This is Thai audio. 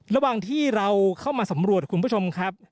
ระหว่างที่เราเข้ามาสำรวจคุณผู้ชมครับ